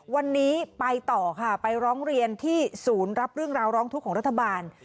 วันนี้ไปต่อค่ะไปร้องเรียนที่ศูนย์รับเรื่องราวร้องทุกข์ของรัฐบาล